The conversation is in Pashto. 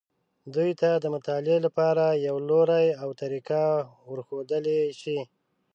دوی ته د مطالعې لپاره یو لوری او طریقه ورښودلی شي.